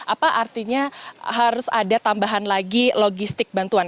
apa artinya harus ada tambahan lagi logistik bantuan